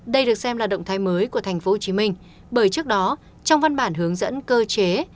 đây được xem là động thái mới của tp hcm bởi trước đó trong văn bản hướng dẫn cơ chế